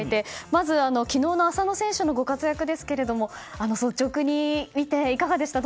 まず、昨日の浅野選手のご活躍ですけども率直に見ていかがでした？